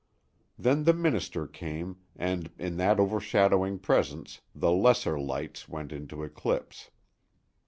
Then the minister came, and in that overshadowing presence the lesser lights went into eclipse.